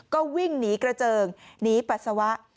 ก็วิ่งหนีกระเจิงหนีปัสสาวะ